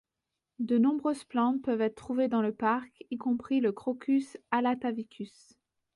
De nombreuses plantes peuvent être trouvées dans le parc, y compris le crocus alatavicus.